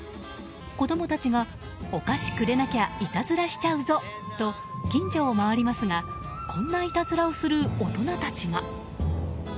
子供たちが、お菓子くれなきゃいたずらしちゃうぞと近所を回りますがこんないたずらをする大人たちが。